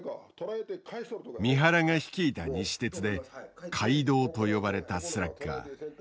三原が率いた西鉄で「怪童」と呼ばれたスラッガー中西太。